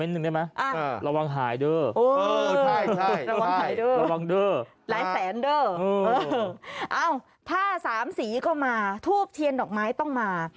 หลายแสนเด้อเอ้าผ้าสามสีก็มาทูบเทียนดอกไม้ต้องมา